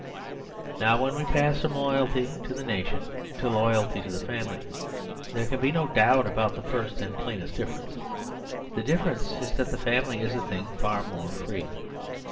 Now when we pass from loyalty to the nation to loyalty to the family, there can be no doubt about the first and plainest differ ence. The difference is that the family is a thing far more free.